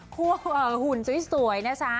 คั่วหุ่นสวยนะคะ